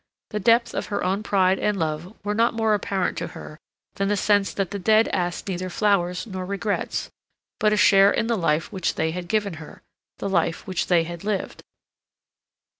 The depth of her own pride and love were not more apparent to her than the sense that the dead asked neither flowers nor regrets, but a share in the life which they had given her, the life which they had lived.